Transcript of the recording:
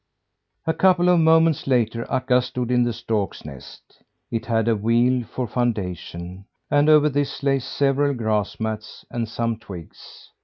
A couple of moments later Akka stood in the storks' nest. It had a wheel for foundation, and over this lay several grass mats, and some twigs.